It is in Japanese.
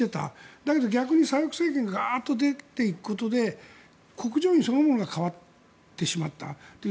だけど逆に左翼政権が出ていくことで国情院そのものが変わってしまったという。